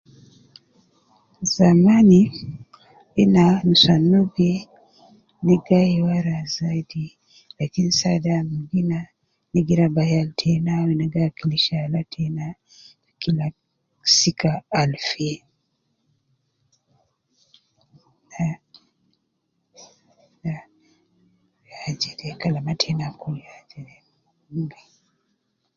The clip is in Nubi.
Zamani, ina nusuwan nubi, gi gayi wara zayidi, lakin asede, amurugu ina. Ina giraba yal tenna, wu ina gi akilisha yal ,tenna, fi killa sika al fi. Ya jede. Kalama. tenna kulu ya. jede.